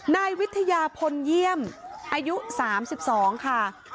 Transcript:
นายวิทยาพลเยี่ยมอายุ๓๒ค่ะ